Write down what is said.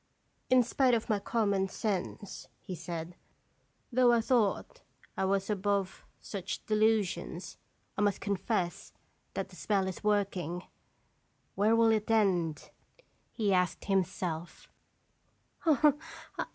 " In spite of my common sense," he said, "though I thought I 6er0n& Olarb toine." 233 was above such delusions, I must confess that the spell is working. Where will it end?" he asked himself.